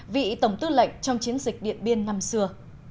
vị tổng tư lệnh trong chiến dịch điện biên năm xưa